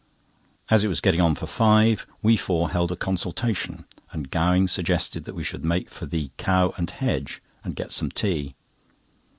As it was getting on for five, we four held a consultation, and Gowing suggested that we should make for "The Cow and Hedge" and get some tea.